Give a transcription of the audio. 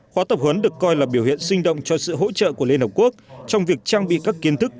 khóa tập huấn được coi là biểu hiện sinh động cho sự hỗ trợ của liên hợp quốc trong việc trang bị các kiến thức